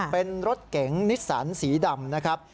เป็นรถเก๋งนิสสันสีดำนะครับ